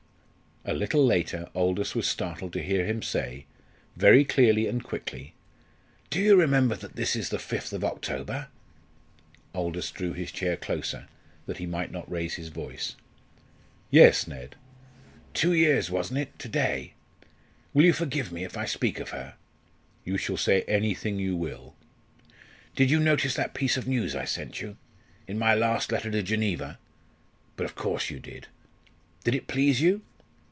A little later Aldous was startled to hear him say, very clearly and quickly: "Do you remember that this is the fifth of October?" Aldous drew his chair closer, that he might not raise his voice. "Yes, Ned." "Two years, wasn't it, to day? Will you forgive me if I speak of her?" "You shall say anything you will." "Did you notice that piece of news I sent you, in my last letter to Geneva? But of course you did. Did it please you?"